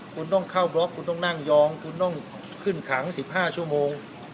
คุณต้องเข้าบล็อกคุณต้องนั่งยองคุณต้องขึ้นขัง๑๕ชั่วโมง